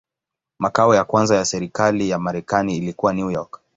Makao ya kwanza ya serikali ya Marekani ilikuwa New York.